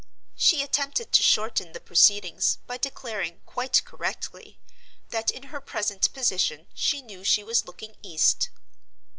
She attempted to shorten the proceedings, by declaring (quite correctly) that in her present position she knew she was looking east.